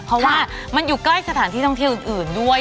เพราะว่ามันอยู่ใกล้สถานที่ท่องเที่ยวอื่นด้วย